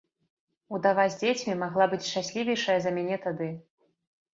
Удава з дзецьмі магла быць шчаслівейшая за мяне тады.